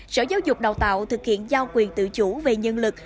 sở giáo dục đào tạo thực hiện giao quyền tự chủ về nhân lực